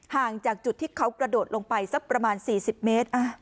ห่างจากจุดที่เขากระโดดลงไปสักประมาณ๔๐เมตร